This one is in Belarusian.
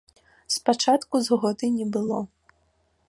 Спачатку згоды не было.